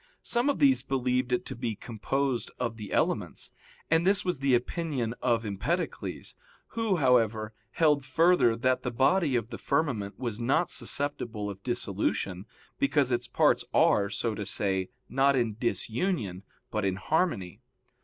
Some of these believed it to be composed of the elements; and this was the opinion of Empedocles, who, however, held further that the body of the firmament was not susceptible of dissolution, because its parts are, so to say, not in disunion, but in harmony.